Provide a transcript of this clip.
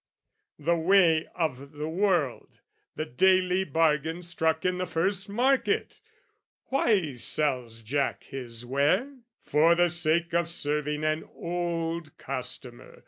The way of the world, the daily bargain struck In the first market! Why sells Jack his ware? "For the sake of serving an old customer."